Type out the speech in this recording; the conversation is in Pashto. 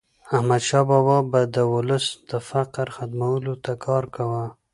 احمدشاه بابا به د ولس د فقر ختمولو ته کار کاوه.